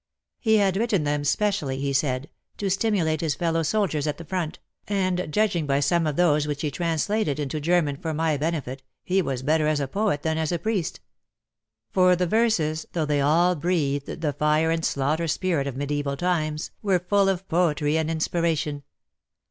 He had written them specially, he said, to stimulate his fellow soldiers at the front, and judging by some of those which he translated into German for my benefit, he was better as poet than as priest. For the verses, though they all breathed the fire and slaughter spirit of mediaeval times, were full of poetry and inspiration.